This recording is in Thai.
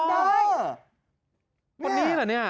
คนนี้หรือนี่